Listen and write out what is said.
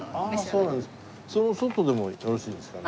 その外でもよろしいんですかね？